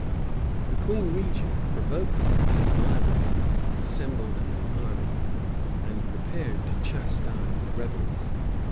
The queen regent, provoked at these violences, assembled an army, and prepared to chastise the rebels.